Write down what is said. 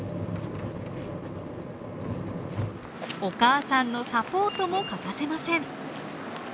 お母さんのサポートも欠かせません。